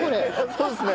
そうですね。